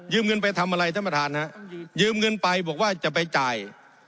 เงินไปทำอะไรท่านประธานฮะยืมเงินไปบอกว่าจะไปจ่าย